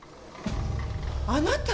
あなた！